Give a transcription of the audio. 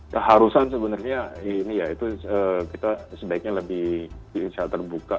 keharusan sebenarnya ini ya itu kita sebaiknya lebih sehat terbuka